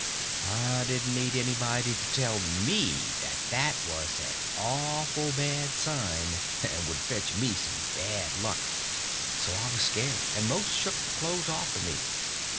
I didn't need anybody to tell me that that was an awful bad sign and would fetch me some bad luck, so I was scared and most shook the clothes off of me.